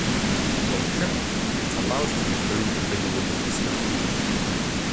Function: it allows to improve the visual deficit.